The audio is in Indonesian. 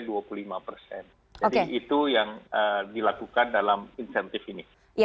jadi itu yang dilakukan dalam insentif ini